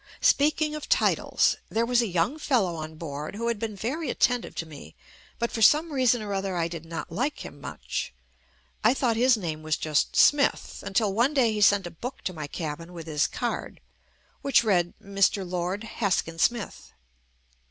Speaking of titles — there was a young fel low on board, who had been very attentive to me but for some reason or other I did not like him much. I thought his name was just "Smith" until one day he sent a book to my cabin with his card, which read "Mr. Lord Haskin Smith."